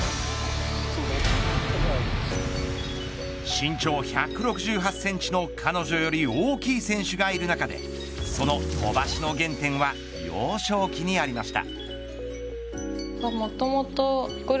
身長１６８センチの彼女より大きい選手がいる中でその飛ばしの原点は幼少期にありました。